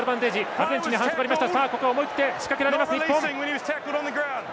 アルゼンチンに反則がありました。